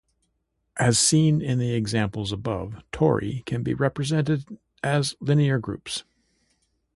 As seen in the examples above tori can be represented as linear groups.